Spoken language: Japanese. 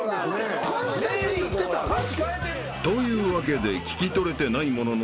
［というわけで聞き取れてないものの］